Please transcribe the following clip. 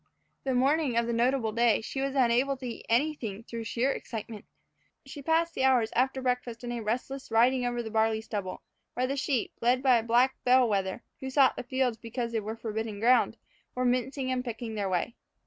The morning of the notable day she was unable to eat anything through sheer excitement. She passed the hours after breakfast in restless riding over the barley stubble, where the sheep, led by a black bell wether who sought the fields because they were forbidden ground, were mincing and picking their way.